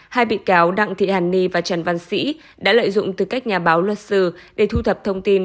hai bị cáo đặng thị hàn ni và trần văn sĩ đã lợi dụng tư cách nhà báo luật sư để thu thập thông tin